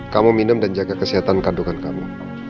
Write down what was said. kamu minum dan jaga kesehatan kandungan kamu